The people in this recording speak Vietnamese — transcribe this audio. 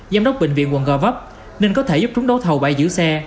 giám đốc bệnh viện quận gò vấp nên có thể giúp chúng đấu thầu bãi giữ xe